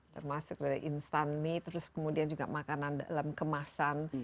termasuk dari instan mie terus kemudian juga makanan dalam kemasan